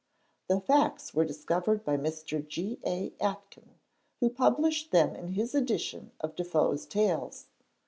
The facts were discovered by Mr. G. A. Aitken, who published them in his edition of Defoe's tales.